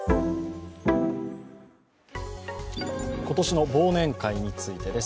今年の忘年会についてです。